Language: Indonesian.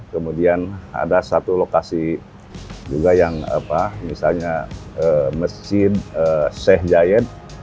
kemudian ada satu lokasi juga yang misalnya mesjid syekh jayed